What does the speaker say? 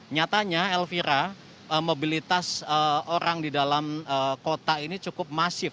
nyatanya elvira mobilitas orang di dalam kota ini cukup masif